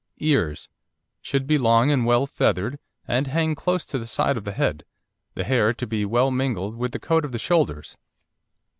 EARS Should be long and well feathered, and hang close to the side of the head, the hair to be well mingled with the coat at the shoulders.